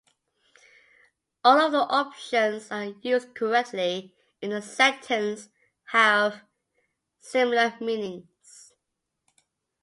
All of the options are used correctly in the sentence and have similar meanings.